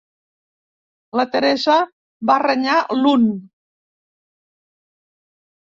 La Teresa va renyar l'un.